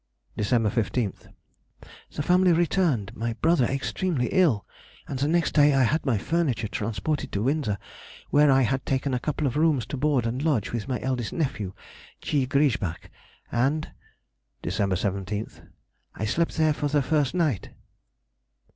Dec. 15th.—The family returned, my brother extremely ill, and the next day I had my furniture transported to Windsor, where I had taken a couple of rooms to board and lodge with my eldest nephew, G. Griesbach, and Dec. 17th.—I slept there for the first night.